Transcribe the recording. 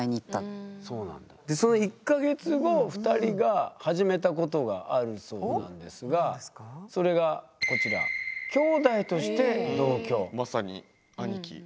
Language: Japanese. その１か月後２人が始めたことがあるそうなんですがそれがこちらまさに兄貴。